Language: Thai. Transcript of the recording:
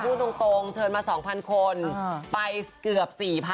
พูดตรงเชิญมา๒๐๐คนไปเกือบ๔๐๐๐